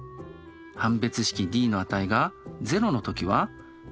判別式Ｄの値が０の時は重解でした。